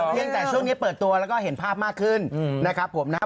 เพียงแต่ช่วงนี้เปิดตัวแล้วก็เห็นภาพมากขึ้นนะครับผมนะ